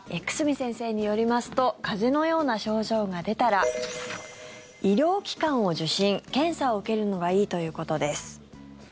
久住先生によりますと風邪のような症状が出たら医療機関を受診検査を受けるのがいいということです。